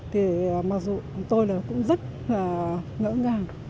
thì mặc dù tôi là cũng rất là ngỡ ngàng